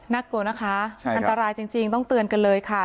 กลัวนะคะอันตรายจริงต้องเตือนกันเลยค่ะ